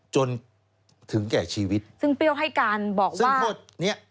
จนถึงแก่ชีวิตซึ่งเปรี้ยวให้การบอกว่าโทษเนี้ย